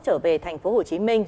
trở về thành phố hồ chí minh